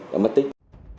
đã mất tích